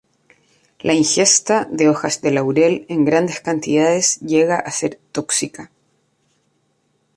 La ingesta de hojas de laurel en grandes cantidades llega a ser tóxica.